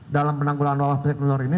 dalam penanggulan wabah penyakit menular ini